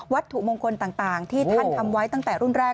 ถูกมงคลต่างที่ท่านทำไว้ตั้งแต่รุ่นแรก